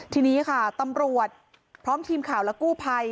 ทีนี้ค่ะตำรวจพร้อมทีมข่าวและกู้ภัย